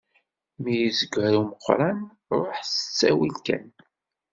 Mi yezger umeqran ruḥ s ttawil kan.